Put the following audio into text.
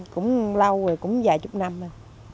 cũng lâu rồi cũng vài chút năm rồi